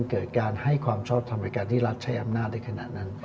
เกิดการให้ความชอบทำในการที่รัฐใช้อำนาจในขณะนั้น